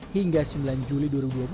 hingga sembilan juli dua ribu dua puluh